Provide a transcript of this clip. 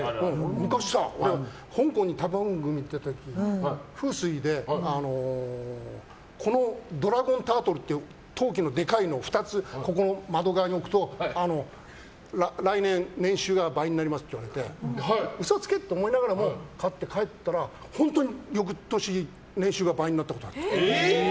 昔、香港で旅番組出てて風水でドラゴンタートルっていう陶器のでかいの２つ窓側に置くと来年、年収が倍になりますって言われて嘘つけ！って思いながらも買って帰ったら本当に翌年年収が倍になったことがあって。